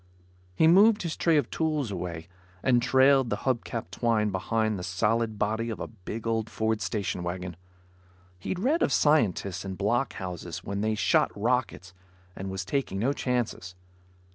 He moved his tray of tools away and trailed the hub cap twine behind the solid body of a big old Ford station wagon. He'd read of scientists in block houses when they shot rockets and was taking no chances.